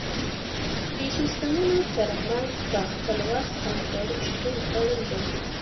د سیستمونو تر منځ په خپل وخت همکاري شتون اړین دی.